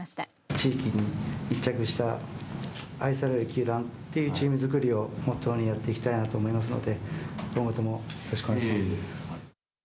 地域に密着した愛される球団というチーム作りをモットーにやっていきたいなと思いますので今後ともよろしくお願いします。